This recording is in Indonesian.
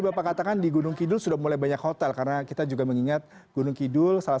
bapak katakan di gunung kidul sudah mulai banyak hotel karena kita juga mengingat gunung kidul salah